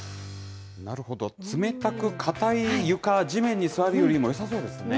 なるほど、冷たく硬い床地面に座るよりもよさそうですね。